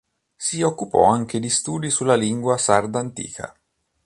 Si occupò anche di studi sulla lingua sarda antica.